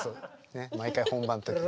ねっ毎回本番の時に。